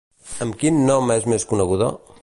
Amb quin nom és més coneguda?